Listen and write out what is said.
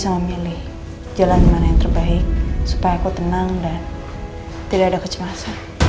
waalaikumsalam wr wb